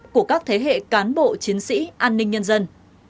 của các thế hệ cán bộ chiến sĩ an ninh nhân dân